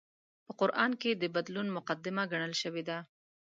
په قران کې د بدلون مقدمه ګڼل شوې ده